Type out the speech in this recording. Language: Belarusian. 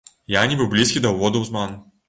Я нібы блізкі да ўводу ў зман.